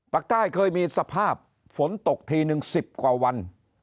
ภาคใต้เคยมีสภาพฝนตกทีนึง๑๐กว่าวัน